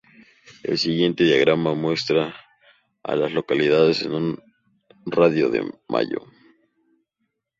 El siguiente diagrama muestra a las localidades en un radio de de Mayo.